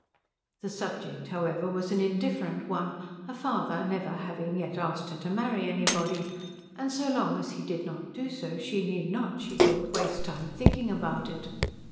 The subject however was an indifferent one, her father never yet having asked her to marry anybody; and so long as he did not do so she need not, she thought, waste time thinking about it.